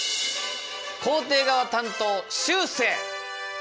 肯定側担当しゅうせい！